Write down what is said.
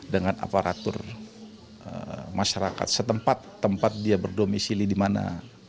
dengan aparatur masyarakat setempat tempat dia berdomisili dimana